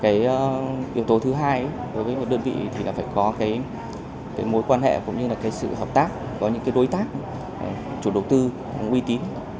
yếu tố thứ hai đối với một đơn vị thì phải có mối quan hệ cũng như sự hợp tác có những đối tác chủ đầu tư nguy tín